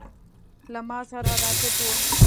له ما سره راکټ و.